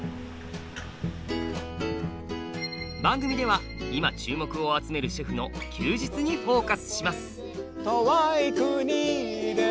番組では今注目を集めるシェフの「休日」にフォーカスします。